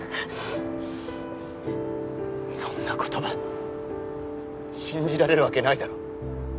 そんな言葉信じられるわけないだろ。